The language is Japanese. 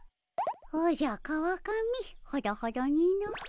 おじゃ川上ほどほどにの。